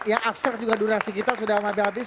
ya abstrak juga durasi kita sudah habis habis